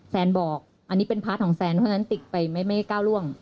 แซนบอกอันนี้เป็นพาร์ทของแซนเพราะฉะนั้นติกไปไม่ก้าวร่วง